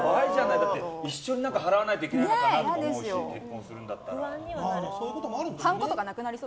一緒に払わないといけないのかなと思うし、結婚するんだったら。